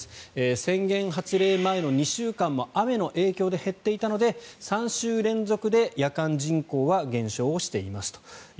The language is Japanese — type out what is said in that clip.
宣言発令前の２週間も雨の影響で減っていたので３週連続で夜間人口は減少をしていますと。